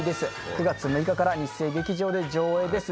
９月６日から日生劇場で上映です。